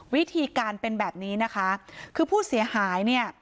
วิธีการเป็นแบบนี้นะคะคือผู้เสียหายเนี่ย